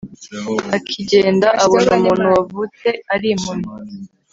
akigenda abona umuntu wavutse ari impumyi